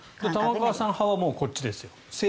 玉川さん派はこっちですよと。